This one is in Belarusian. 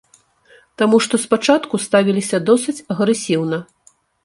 Таму што спачатку ставіліся досыць агрэсіўна.